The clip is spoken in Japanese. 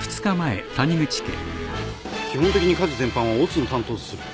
「基本的に家事全般は乙の担当とする」